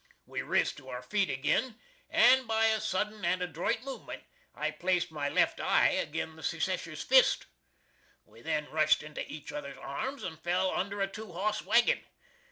We riz to our feet agin and by a sudden and adroit movement I placed my left eye agin the Secesher's fist. We then rushed into each other's arms and fell under a two hoss wagon.